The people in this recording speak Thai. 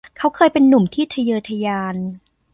เขาเคยเป็นหนุ่มที่ทะเยอทะยาน